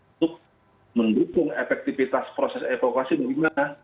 untuk mendukung efektivitas proses evakuasi bagaimana